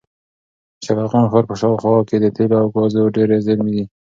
د شبرغان ښار په شاوخوا کې د تېلو او ګازو ډېرې زېرمې دي.